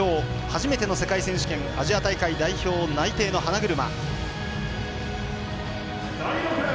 初めての世界選手権アジア大会代表内定の花車。